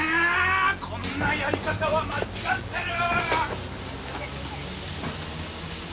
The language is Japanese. こんなやり方は間違ってる！」